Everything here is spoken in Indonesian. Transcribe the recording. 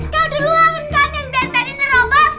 kau dulu akan kan yang gantain gantain robos